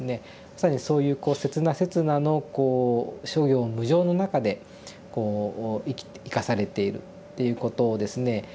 まさにそういうこう刹那刹那のこう諸行無常の中でこう生かされているっていうことをですね